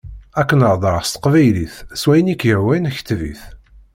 Ad k-n-hedreɣ s teqbaylit, s wayen i k-yehwan kteb-it.